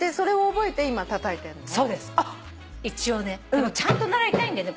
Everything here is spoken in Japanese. でもちゃんと習いたいんだよね